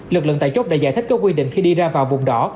lực lượng tại chốt đã giải thích các quy định khi đi ra vào vùng đỏ